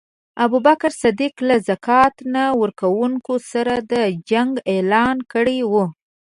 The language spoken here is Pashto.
ابوبکر صدیق له ذکات نه ورکونکو سره د جنګ اعلان کړی وو.